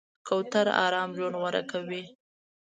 کوتره آرام ژوند غوره کوي.